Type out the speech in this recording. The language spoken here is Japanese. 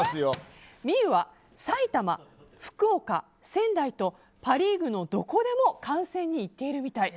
望結は埼玉、福岡、仙台とパ・リーグのどこでも観戦に行けるみたい。